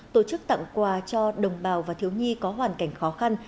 tổ chức tặng quà cho đồng bào và thiếu nhi có hoàn cảnh khó khăn